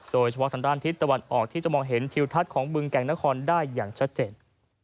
โดยเฉพาะทางด้านทิศตะวันออกที่จะมองเห็นทิวทัศน์ของบึงแก่งนครได้อย่างชัดเจน